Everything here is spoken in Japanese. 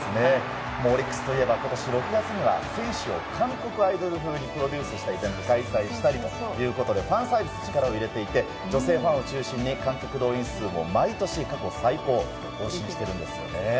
オリックスといえば今年６月には選手を韓国アイドル風にプロデュースしたイベントを開催したりということでファンサービスに力を入れていて女性ファンを中心に観客動員数、過去最高を毎年更新してるんです。